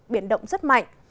biển động rất mạnh